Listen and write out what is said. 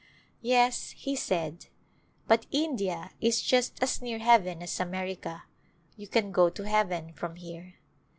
" Yes," he said, " but India is just as near heaven as America ; you can go to heaven from here."